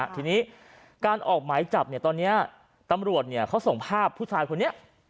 ทีนี้การออกหมายจับตอนนี้ตำรวจเขาส่งภาพผู้ชายคนนี้